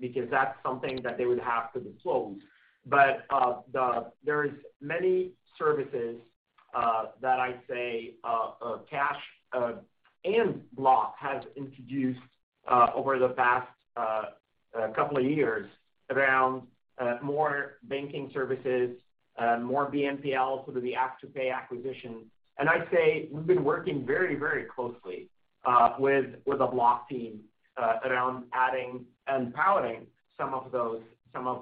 because that's something that they would have to disclose. There is many services that I'd say Cash and Block has introduced over the past couple of years around more banking services, more BNPL through the Afterpay acquisition. I'd say we've been working very, very closely with the Block team around adding and piloting some of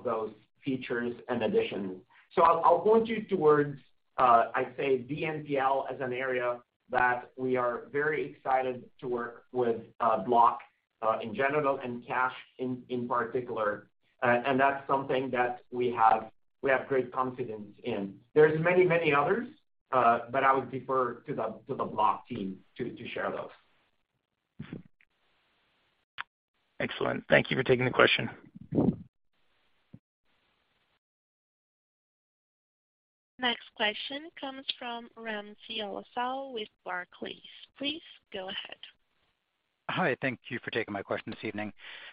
those features and additions. I'll point you towards I'd say BNPL as an area that we are very excited to work with Block in general and Cash in particular. That's something that we have great confidence in. There's many others, I would defer to the Block team to share those. Excellent. Thank you for taking the question. Next question comes from Ramsey El-Assal with Barclays. Please go ahead. Hi. Thank you for taking my question this evening.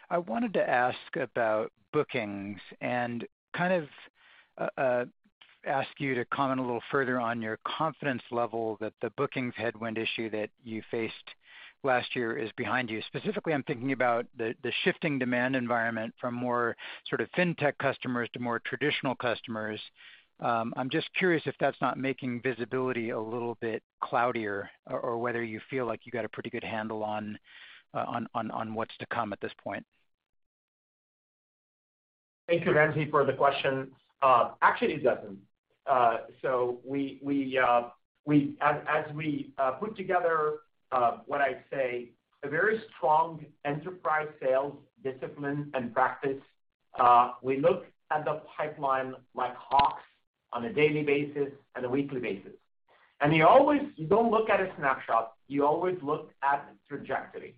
I wanted to ask about bookings and kind of ask you to comment a little further on your confidence level that the bookings headwind issue that you faced last year is behind you. Specifically, I'm thinking about the shifting demand environment from more sort of fintech customers to more traditional customers. I'm just curious if that's not making visibility a little bit cloudier or whether you feel like you got a pretty good handle on what's to come at this point. Thank you, Ramsey, for the question. Actually it doesn't. We, as we put together what I'd say a very strong enterprise sales discipline and practice, we look at the pipeline like hawks on a daily basis and a weekly basis. You always you don't look at a snapshot, you always look at trajectory.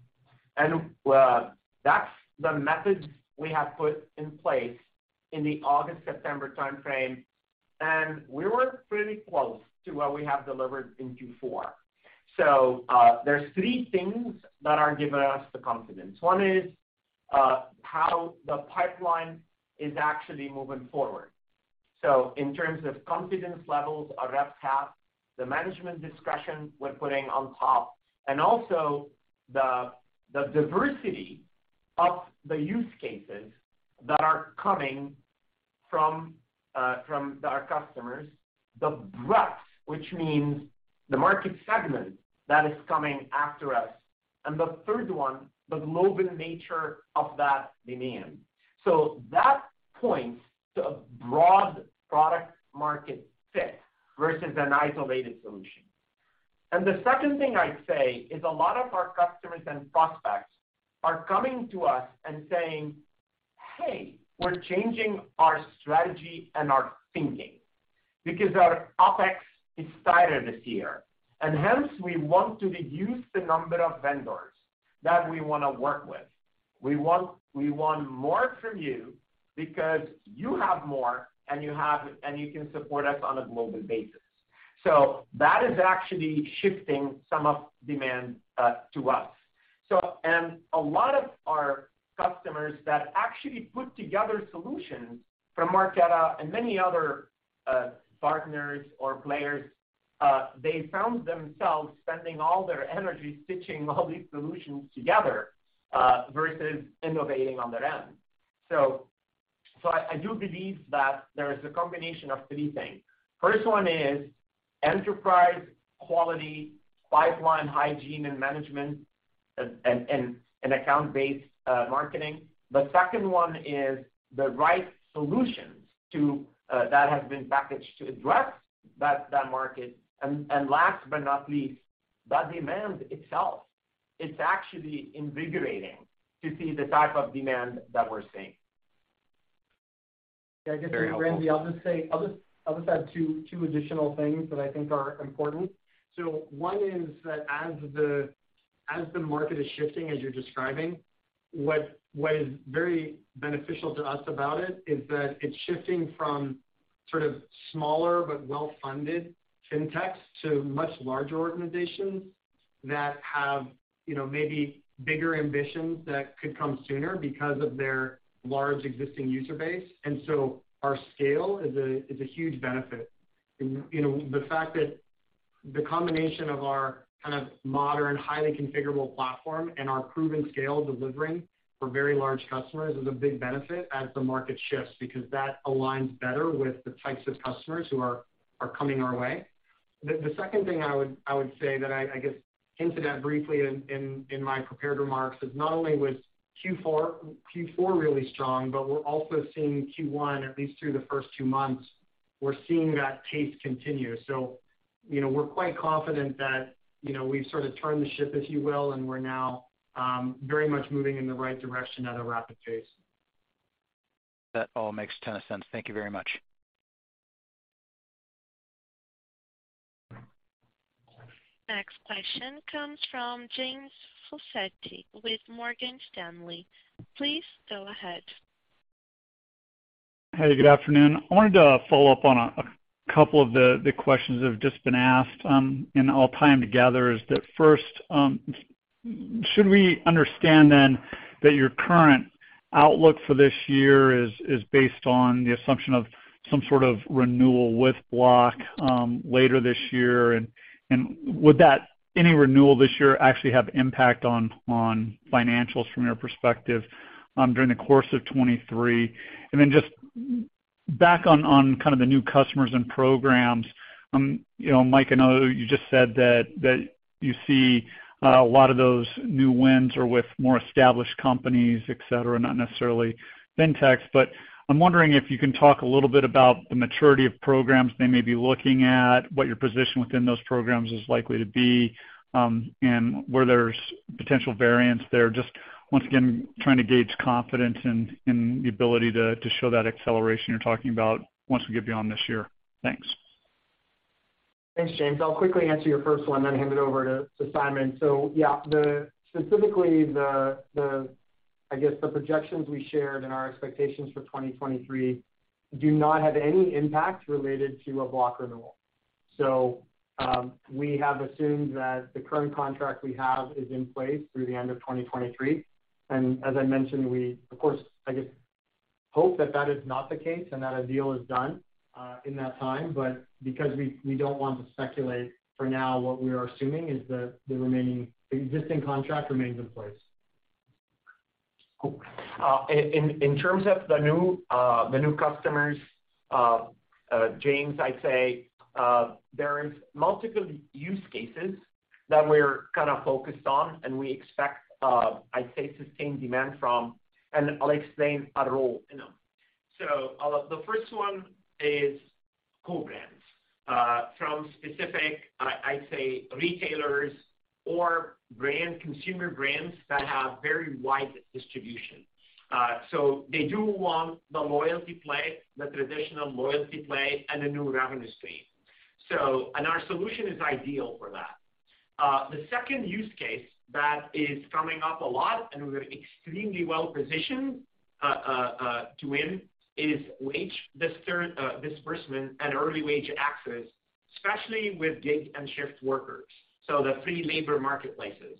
That's the methods we have put in place in the August-September timeframe, and we were pretty close to what we have delivered in Q4. There's three things that are giving us the confidence. One is how the pipeline is actually moving forward. In terms of confidence levels our reps have, the management discretion we're putting on top, and also the diversity of the use cases that are coming from our customers. The breadth, which means the market segment that is coming after us. The third one, the global nature of that demand. That points to a broad product market fit versus an isolated solution. The second thing I'd say is a lot of our customers and prospects are coming to us and saying, "Hey, we're changing our strategy and our thinking because our OpEx is tighter this year, and hence we want to reduce the number of vendors that we wanna work with. We want more from you because you have more, and you can support us on a global basis." That is actually shifting some of demand to us. So. A lot of our customers that actually put together solutions from Marqeta and many other partners or players, they found themselves spending all their energy stitching all these solutions together versus innovating on their end. I do believe that there is a combination of three things. First one is enterprise quality pipeline hygiene and management. Account-based marketing. The second one is the right solutions to that have been packaged to address that market. Last but not least, the demand itself. It's actually invigorating to see the type of demand that we're seeing. Very helpful. Yeah, I guess, Ramsey, I'll just add two additional things that I think are important. One is that as the market is shifting, as you're describing, what is very beneficial to us about it is that it's shifting from sort of smaller but well-funded fintechs to much larger organizations that have, you know, maybe bigger ambitions that could come sooner because of their large existing user base. Our scale is a huge benefit. You know, the fact that the combination of our kind of modern, highly configurable platform and our proven scale delivering for very large customers is a big benefit as the market shifts because that aligns better with the types of customers who are coming our way. The second thing I would say that I guess hinted at briefly in my prepared remarks is not only was Q4 really strong, but we're also seeing Q1, at least through the first two months, we're seeing that pace continue. You know, we're quite confident that, you know, we've sort of turned the ship, if you will, and we're now very much moving in the right direction at a rapid pace. That all makes ton of sense. Thank you very much. Next question comes from James Faucette with Morgan Stanley. Please go ahead. Hey, good afternoon. I wanted to follow up on a couple of the questions that have just been asked, I'll tie them together, is that first, should we understand then that your current outlook for this year is based on the assumption of some sort of renewal with Block, later this year? Would any renewal this year actually have impact on financials from your perspective, during the course of 2023? Just back on kind of the new customers and programs, you know, Mike, I know you just said that you see a lot of those new wins are with more established companies, et cetera, not necessarily fintechs. I'm wondering if you can talk a little bit about the maturity of programs they may be looking at, what your position within those programs is likely to be, and where there's potential variance there. Just once again, trying to gauge confidence in the ability to show that acceleration you're talking about once we get beyond this year. Thanks. Thanks, James. I'll quickly answer your first one, then hand it over to Simon. Yeah, specifically the, I guess, the projections we shared and our expectations for 2023 do not have any impact related to a Block renewal. We have assumed that the current contract we have is in place through the end of 2023. As I mentioned, we of course, I guess, hope that that is not the case and that a deal is done in that time. Because we don't want to speculate for now, what we are assuming is the remaining existing contract remains in place. In terms of the new customers, James, I'd say there is multiple use cases that we're kind of focused on and we expect sustained demand from, and I'll explain it all, you know. The first one is co-branding from specific, I'd say retailers or brand, consumer brands that have very wide distribution. They do want the loyalty play, the traditional loyalty play and a new revenue stream. Our solution is ideal for that. The second use case that is coming up a lot and we're extremely well-positioned to win is wage disbursement and early wage access, especially with gig and shift workers, so the free labor marketplaces.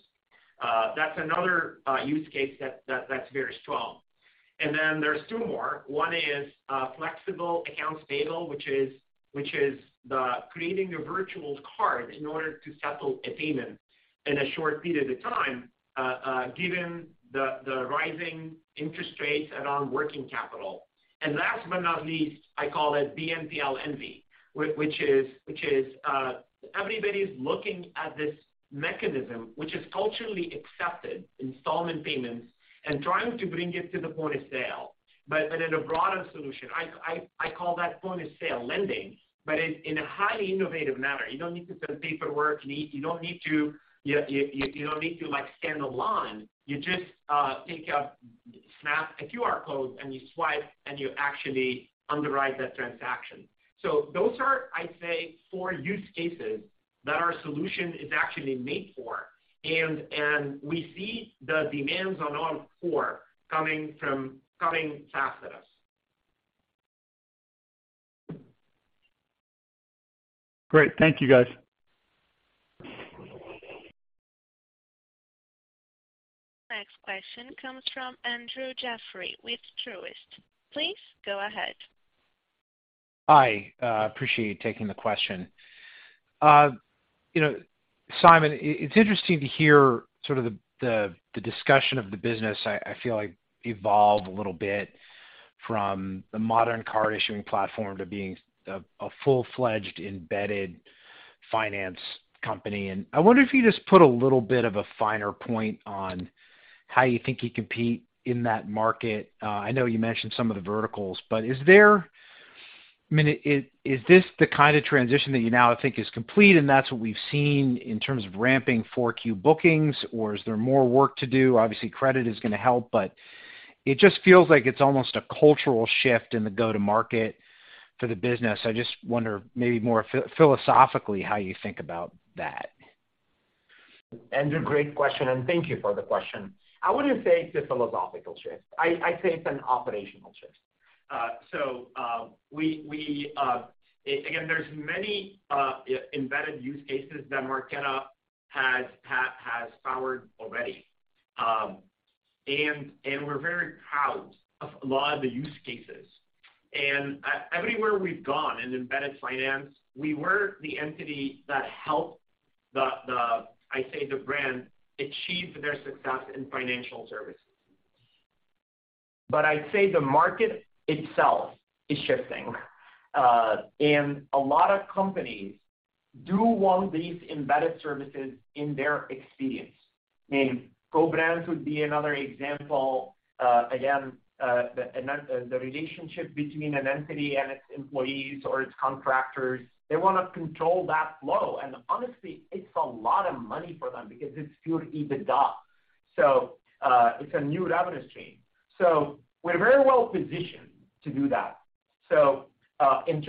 That's another use case that's very strong. Then there's two more. One is flexible accounts payable, which is the creating a virtual card in order to settle a payment in a short period of time, given the rising interest rates and on working capital. Last but not least, I call it BNPL envy, which is everybody's looking at this mechanism which is culturally accepted installment payments and trying to bring it to the point of sale, but in a broader solution. I call that point-of-sale lending, but in a highly innovative manner. You don't need to fill paperwork you don't need to, you don't need to like stand in line. You just take a snap, a QR code, and you swipe, and you actually underwrite that transaction. Those are, I'd say, four use cases that our solution is actually made for. We see the demands on all four coming fast at us. Great. Thank you, guys. Next question comes from Andrew Jeffrey with Truist. Please go ahead. Hi. Appreciate you taking the question. You know, Simon, it's interesting to hear sort of the discussion of the business I feel like evolve a little bit. From the modern card issuing platform to being a full-fledged embedded finance company. I wonder if you just put a little bit of a finer point on how you think you compete in that market. I know you mentioned some of the verticals, but is this the kind of transition that you now think is complete, and that's what we've seen in terms of ramping Q4 bookings, or is there more work to do? Obviously, credit is gonna help, but it just feels like it's almost a cultural shift in the go-to-market for the business. I just wonder maybe more philosophically how you think about that. Andrew, great question, and thank you for the question. I wouldn't say it's a philosophical shift. I'd say it's an operational shift. We again, there's many embedded use cases that Marqeta has powered already. We're very proud of a lot of the use cases. Everywhere we've gone in embedded finance, we were the entity that helped the, I'd say, the brand achieve their success in financial services. I'd say the market itself is shifting. A lot of companies do want these embedded services in their experience. I mean, co-brands would be another example. Again, the relationship between an entity and its employees or its contractors, they wanna control that flow. Honestly, it's a lot of money for them because it's pure EBITDA. It's a new revenue stream. We're very well positioned to do that. In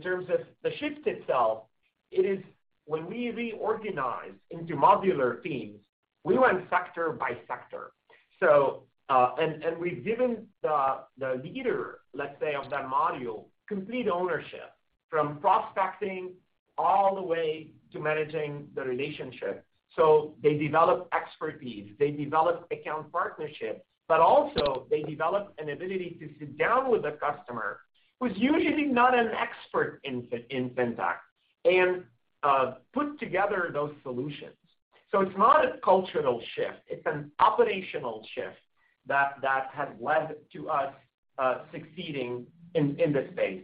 terms of the shift itself, it is when we reorganize into modular teams, we went sector by sector. And we've given the leader, let's say, of that module, complete ownership from prospecting all the way to managing the relationship. They develop expertise, they develop account partnerships, but also they develop an ability to sit down with a customer who's usually not an expert in fintech and put together those solutions. It's not a cultural shift, it's an operational shift that has led to us succeeding in this space.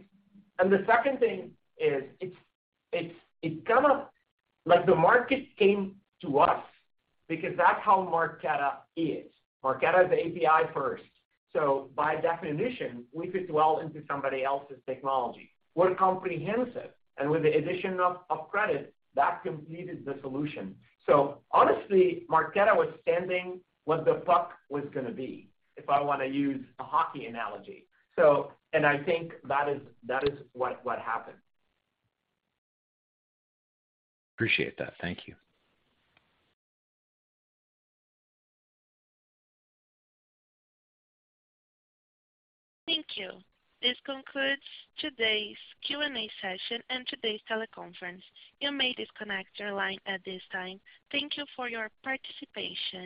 The second thing is it's kind of like the market came to us because that's how Marqeta is. Marqeta is API first. By definition, we could dwell into somebody else's technology. We're comprehensive, and with the addition of credit, that completed the solution. Honestly, Marqeta was standing where the puck was gonna be, if I wanna use a hockey analogy. I think that is what happened. Appreciate that. Thank you. Thank you. This concludes today's Q&A session and today's teleconference. You may disconnect your line at this time. Thank you for your participation.